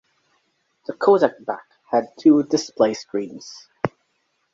The Kodak back had two display screens.